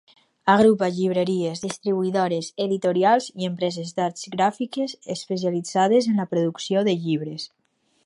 Agrupa llibreries, distribuïdores, editorials i empreses d'arts gràfiques especialitzades en la producció de llibres.